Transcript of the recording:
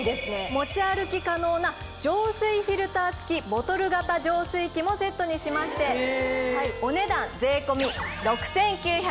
持ち歩き可能な浄水フィルター付きボトル型浄水器もセットにしましてお値段。